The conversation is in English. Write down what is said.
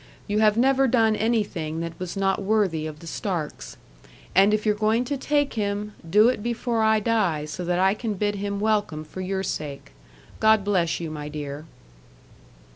You have never done anything that was not worthy of the Starks. And if you're going to take him, do it before I die so that I can bid him welcome for your sake. God bless you, my dear."